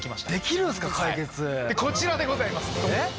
こちらでございますドン。